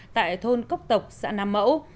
tại thôn cốc tộc xã nam mẫu